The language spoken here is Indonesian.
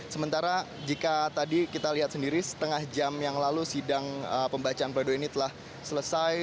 sementara jika tadi kita lihat sendiri setengah jam yang lalu sidang pembacaan pledoi ini telah selesai